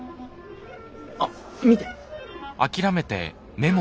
あっ見て。